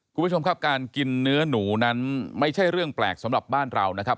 คุณผู้ชมครับการกินเนื้อหนูนั้นไม่ใช่เรื่องแปลกสำหรับบ้านเรานะครับ